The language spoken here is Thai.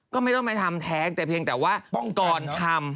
ก็ไม่ต้องไปทำแท้งแต่เพียงแต่ว่าป้องกรทำ